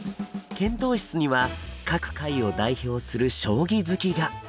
検討室には各界を代表する将棋好きが。